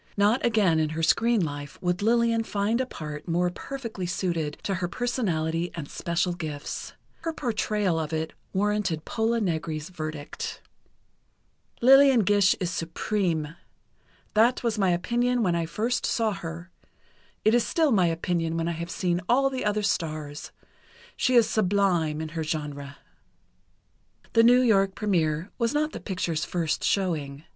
Not again in her screen life would Lillian find a part more perfectly suited to her personality and special gifts. Her portrayal of it warranted Pola Negri's verdict: "Lillian Gish is supreme. That was my opinion when I first saw her. It is still my opinion when I have seen all the other stars. She is sublime in her genre." The New York première was not the picture's first showing.